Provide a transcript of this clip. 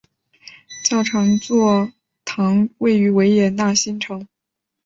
教长区座堂位于维也纳新城。